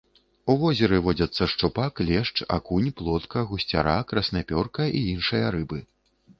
У возеры водзяцца шчупак, лешч, акунь, плотка, гусцяра, краснапёрка і іншыя рыбы.